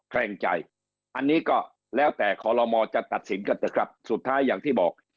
แรงใจอันนี้ก็แล้วแต่คอลโลมอจะตัดสินกันเถอะครับสุดท้ายอย่างที่บอก